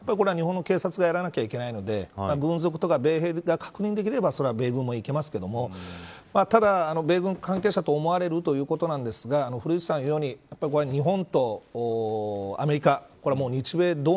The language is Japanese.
やはり、これは日本の警察がやらないといけないので軍属とか米兵が確認できれば米軍もいきますけどただ、米軍関係者と思われるということなんですが古市さんが言うように日本とアメリカ